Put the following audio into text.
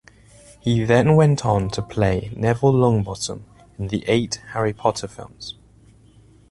He then went on to play Neville Longbottom in the eight Harry Potter films.